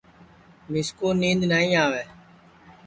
میسکُو نِینٚدؔ نائی آوے